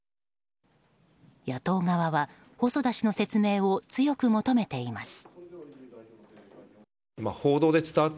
野党側は、細田氏の説明を強く求めています。